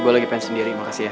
gue lagi pensi sendiri makasih ya